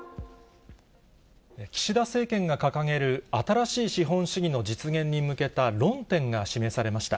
岸田政権が掲げる、新しい資本主義の実現に向けた論点が示されました。